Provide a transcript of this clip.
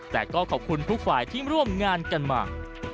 แต่ก็ขอบคุณทุกฝ่ายที่ร่วมงานกันมา